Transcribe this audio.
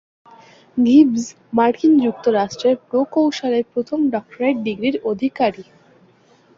Gibbs মার্কিন যুক্তরাষ্ট্রের প্রকৌশলে প্রথম ডক্টরেট ডিগ্রির অধিকারী।